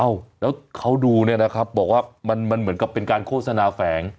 แล้วเขาดูเนี่ยนะครับบอกว่ามันเหมือนกับเป็นการโฆษณาแฝง